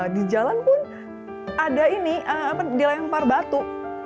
di jalan pun ada ini dilempar batu